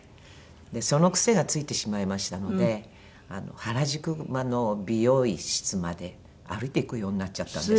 その癖がついてしまいましたので原宿の美容室まで歩いて行くようになっちゃったんです。